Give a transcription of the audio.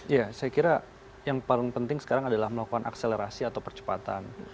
ya saya kira yang paling penting sekarang adalah melakukan akselerasi atau percepatan